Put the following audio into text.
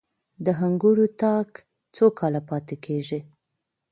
د انګورو تاک څو کاله پاتې کیږي؟